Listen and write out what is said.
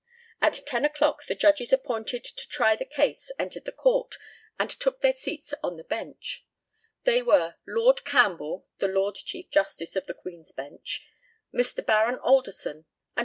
At ten o'clock the judges appointed to try the case entered the Court, and took their seats on the bench. They were Lord Campbell, the Lord Chief Justice of the Queen's Bench, Mr. Baron Alderson, and Mr. Justice Cresswell.